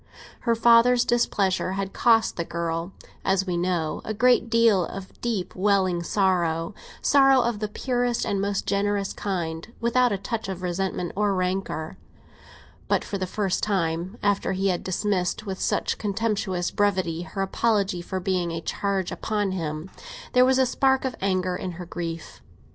Her father's displeasure had cost the girl, as we know, a great deal of deep welling sorrow—sorrow of the purest and most generous kind, without a touch of resentment or rancour; but for the first time, after he had dismissed with such contemptuous brevity her apology for being a charge upon him, there was a spark of anger in her grief.